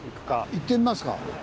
行ってみますか。